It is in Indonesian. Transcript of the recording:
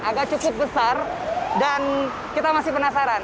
agak cukup besar dan kita masih penasaran